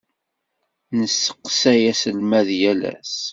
Nesseqsay aselmad yal ass.